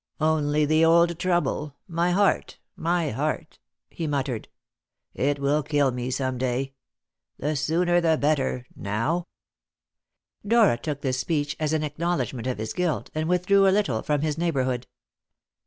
"Only the old trouble my heart, my heart," he muttered; "it will kill me some day. The sooner the better now." Dora took this speech as an acknowledgment of his guilt, and withdrew a little from his neighbourhood.